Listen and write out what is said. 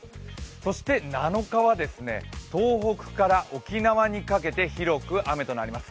そして７日は、東北から沖縄にかけて、広く雨となります。